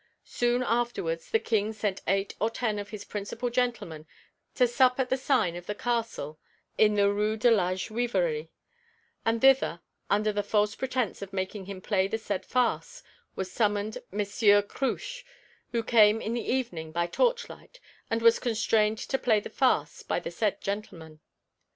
Soon afterwards the King sent eight or ten of his principal gentlemen to sup at the sign of the Castle in the Rue de la Juiverie, and thither, under the false pretence of making him play the said farce, was summoned Messire Cruche, who came in the evening, by torch light, and was constrained to play the farce by the said gentlemen.